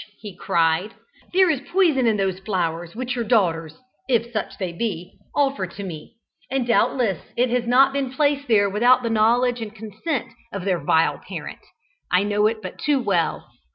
he cried, "there is poison in those flowers which your daughters if such they be offer to me, and doubtless it has not been placed there without the knowledge and consent of their vile parent. I know it but too well.